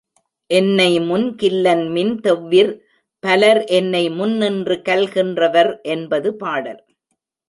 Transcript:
என்னைமுன் கில்லன்மின் தெவ்விர் பலர்என்னை முன்னின்று கல்கின்ற வர் என்பது பாடல்.